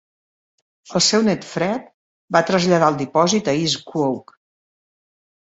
El seu nét Fred va traslladar el dipòsit a East Quogue.